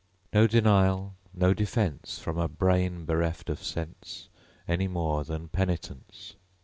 No denial, no defence From a brain bereft of sense, Any more than penitence.